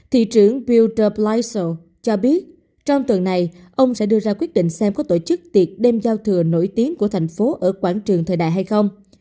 thị trưởng piuter playsal cho biết trong tuần này ông sẽ đưa ra quyết định xem có tổ chức tiệc đêm giao thừa nổi tiếng của thành phố ở quảng trường thời đại hay không